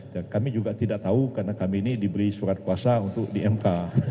dan kami juga tidak tahu karena kami ini diberi surat kuasa untuk di mk